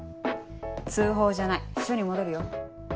通報じゃない署に戻るよ。